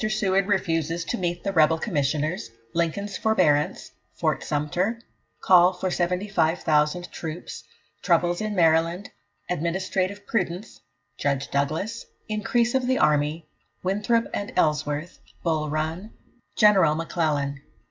Seward refuses to meet the Rebel Commissioners Lincoln's Forbearance Fort Sumter Call for 75,000 Troops Troubles in Maryland Administrative Prudence Judge Douglas Increase of the Army Winthrop and Ellsworth Bull Run General M'Clellan.